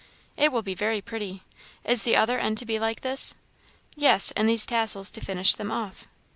"It will be very pretty. Is the other end to be like this?" "Yes, and these tassels to finish them off."